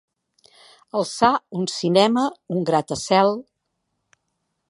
Alçar un cinema, un gratacel.